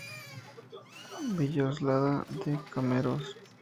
Villoslada de Cameros.